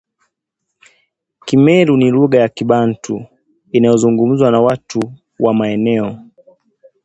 Kimeru ni lugha ya Kibantu inayozungumzwa na watu wa maeneo